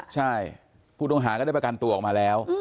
ใช่ผู้ต้องหาก็ได้ประกันตัวออกมาแล้ว